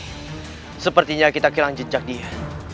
hai sepertinya kita kehilangan jejak dia